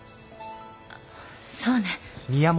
あそうね。